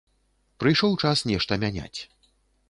Прыйшоў час нешта мяняць.